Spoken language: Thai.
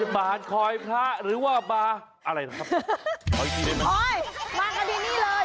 บานคอยพระหรือว่าบานอะไรล่ะครับโอ้ยบานกันทีนี้เลย